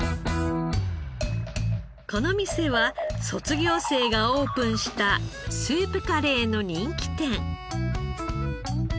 この店は卒業生がオープンしたスープカレーの人気店。